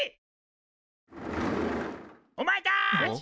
おまえたち。